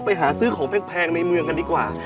ไปหาซื้อของแพงในเมืองกันดีกว่า